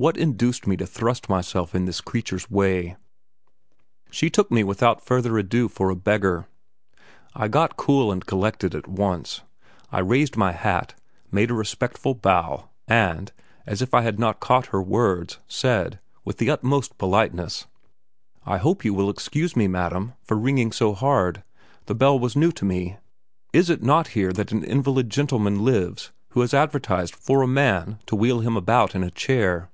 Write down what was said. What induced me to thrust myself in this creature's way? She took me without further ado for a beggar. I got cool and collected at once. I raised my hat, made a respectful bow, and, as if I had not caught her words, said, with the utmost politeness: "I hope you will excuse me, madam, for ringing so hard, the bell was new to me. Is it not here that an invalid gentleman lives who has advertised for a man to wheel him about in a chair?"